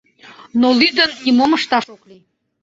Но лӱдын нимом ышташ ок лий.